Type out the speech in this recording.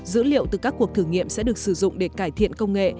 dữ liệu từ các cuộc thử nghiệm sẽ được sử dụng để cải thiện công nghệ